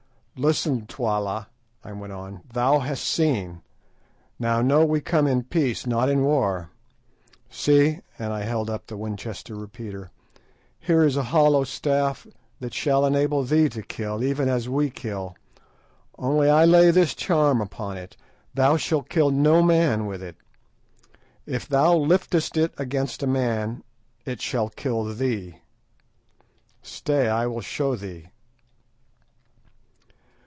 "Listen, Twala," I went on. "Thou hast seen. Now know we come in peace, not in war. See," and I held up the Winchester repeater; "here is a hollow staff that shall enable thee to kill even as we kill, only I lay this charm upon it, thou shalt kill no man with it. If thou liftest it against a man, it shall kill thee. Stay, I will show thee.